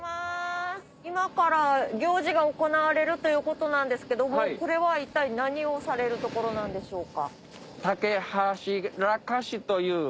今から行事が行われるということなんですけどこれは一体何をされるところなんでしょうか？